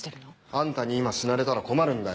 あんたに今死なれたら困るんだよ。